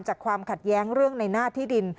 ความขัดแย้งเรื่องในหน้าที่ดิน